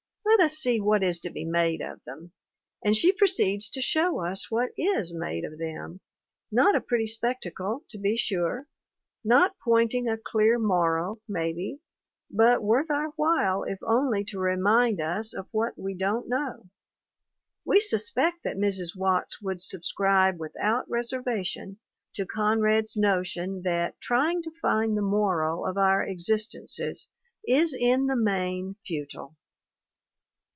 Let us see what is to be made of them. And she proceeds to show us what is made of them not a pretty spectacle, to be sure, not pointing a clear moral, maybe, but worth our while if only to remind us of what we don't know. We suspect that Mrs. Watts would subscribe without reservation to Conrad's notion that trying to find the moral of our existences is in the main futile.